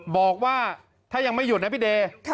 บอกว่าถ้ายังไม่หยุดนะพี่เดย์